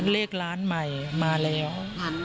เลขร้านใหม่มาแล้ว